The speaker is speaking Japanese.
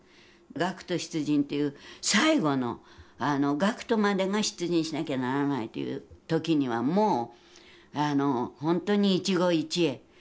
学徒出陣という最後の学徒までが出陣しなきゃならないという時にはもう本当に一期一会。